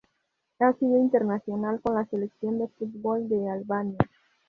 Ha sido internacional con la Selección de fútbol de Albania.